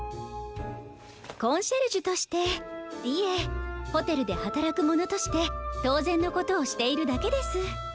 コンシェルジュとしていえホテルではたらくものとしてとうぜんのことをしているだけです。